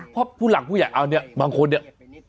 เพราะผู้หลังผู้ใหญ่บางคนเนี่ย